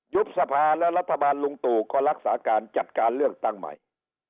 สภาแล้วรัฐบาลลุงตู่ก็รักษาการจัดการเลือกตั้งใหม่